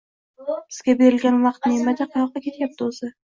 Bizga berilgan vaqt ne’mati qayoqqa ketyapti o‘zi?